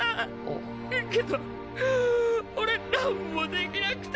けど俺なんもできなくて。